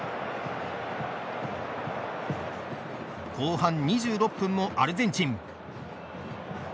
後半２６分もアルゼンチン。